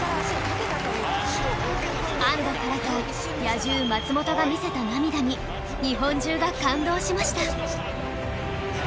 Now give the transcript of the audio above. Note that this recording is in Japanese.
安堵からか野獣松本が見せた涙に日本中が感動しました